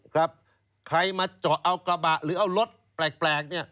ครับใครมาจอดเอากระบะหรือเอารถแปลกนี่